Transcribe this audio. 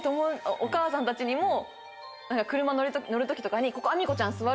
お母さんたちにも車乗る時とかにここ。